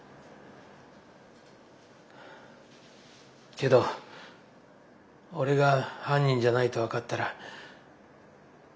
けど俺が犯人じゃないと分かったら。